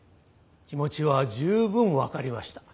気持ちは十分分かりました。